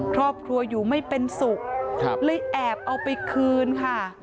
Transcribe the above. ครอบครัวอยู่ไม่เป็นสุขเลยแอบเอาไปคืนค่ะ